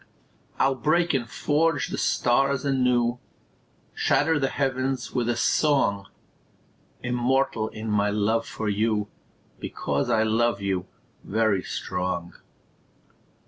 I'll break and forge the stars anew, Shatter the heavens with a song; Immortal in my love for you, Because I love you, very strong.